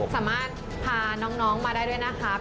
สามารถพาน้องมาได้ด้วยนะครับ